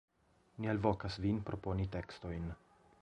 Ni alvokas vin proponi tekstojn.